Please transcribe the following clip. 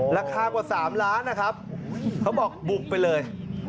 ราคากว่า๓ล้านนะครับเขาบอกบุกไปเลย